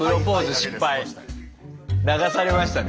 流されましたね